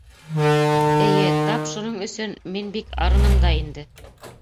Эйе, тап шуның өсөн мин бик арыным да инде.